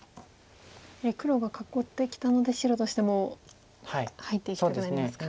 黒が囲ってきたので白としても入っていきたくなりますか。